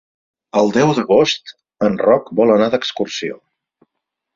El deu d'agost en Roc vol anar d'excursió.